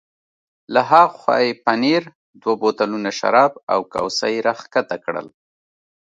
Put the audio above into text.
له ها خوا یې پنیر، دوه بوتلونه شراب او کوسۍ را کښته کړل.